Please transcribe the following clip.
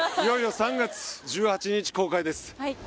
いよいよ３月１８日公開です